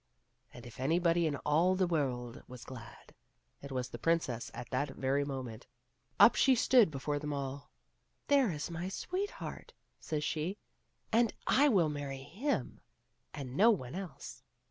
And if anybody in all of the world was glad, it was the princess at that very moment. Up she stood before them all ;" There is my sweetheart," says she, " and I will marry him and no one else."